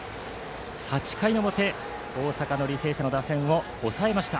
８回の表の大阪・履正社打線を抑えました。